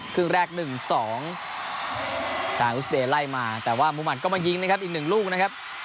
ครึ่งแรก๑๒ทางอุสเดย์ไล่มาแต่ว่ามุมัติก็มายิงนะครับอีกหนึ่งลูกนะครับ